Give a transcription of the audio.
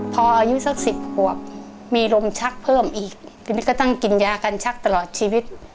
พออายุสักสิบขวบมีลมชักเพิ่มอีกทีนี้ก็ต้องกินยากันชักตลอดชีวิต